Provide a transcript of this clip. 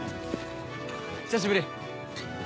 久しぶり。